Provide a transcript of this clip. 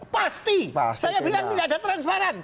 pasti saya bilang tidak ada transparan